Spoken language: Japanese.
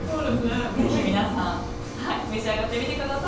ぜひ皆さん召し上がってみてください。